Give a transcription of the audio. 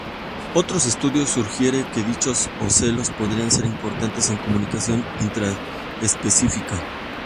Otros estudios sugieren que dichos ocelos podrían ser importantes en comunicación intraespecífica.